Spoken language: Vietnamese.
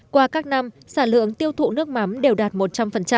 qua các năm sản lượng tiêu thụ nước mắm đều đạt một trăm linh